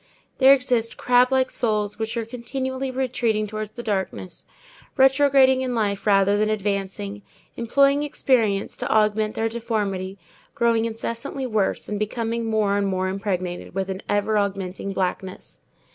There exist crab like souls which are continually retreating towards the darkness, retrograding in life rather than advancing, employing experience to augment their deformity, growing incessantly worse, and becoming more and more impregnated with an ever augmenting blackness.